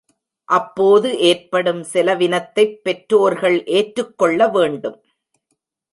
அப்போது ஏற்படும் செலவினத்தைப் பெற்றோர்கள் ஏற்றுக்கொள்ள வேண்டும்.